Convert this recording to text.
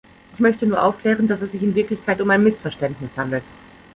Ich möchte nur aufklären, dass es sich in Wirklichkeit um ein Missverständnis handelt.